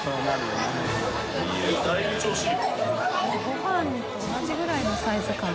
ごはんと同じぐらいのサイズ感。